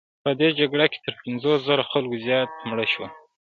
په دې جګړو کې تر پنځوس زره خلکو زیات مړه شول.